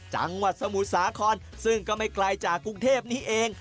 จังหวัดสมุทรสาครซึ่งก็ไม่ไกลจากกรุงเทพนี้เอง